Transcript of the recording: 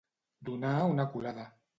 Donar una culada.